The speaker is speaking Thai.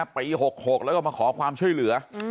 ปี๖๖แล้วก็มาขอความช่วยเหลือ